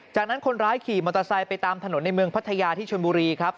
จากนั้นคนร้ายขี่มอเตอร์ไซค์ไปตามถนนในเมืองพัทยาที่ชนบุรีครับ